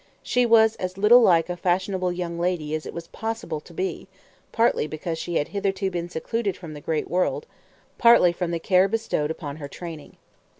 She was as little like a fashionable young lady as it was well possible to be, partly because she had hitherto been secluded from the great world, partly from the care bestowed upon her training.